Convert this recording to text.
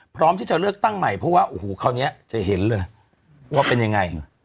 พร้อมที่จะเลือกตั้งใหม่เพราะว่าโอ้โหคราวนี้จะเห็นเลยว่าเป็นยังไง